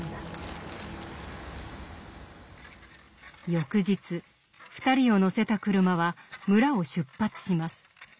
翌日２人を乗せた車は村を出発します。